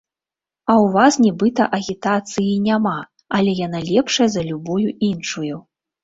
А ў вас нібыта агітацыі і няма, але яна лепшая за любую іншую.